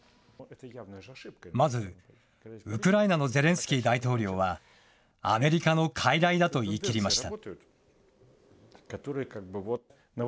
まず、ウクライナのゼレンスキー大統領はアメリカのかいらいだと言い切りました。